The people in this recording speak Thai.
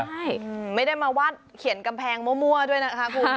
ร่ะมิลามาวาดเขียนกำแพงมั่วด้วยนะคะคุณคุณฝี